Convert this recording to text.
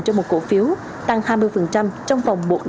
cho một cổ phiếu tăng hai mươi